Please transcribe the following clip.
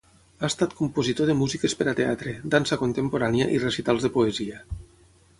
Ha estat compositor de músiques per a teatre, dansa contemporània i recitals de poesia.